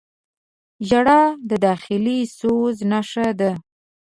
• ژړا د داخلي سوز نښه ده.